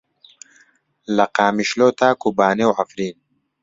لە قامیشلۆ تا کۆبانێ و عەفرین.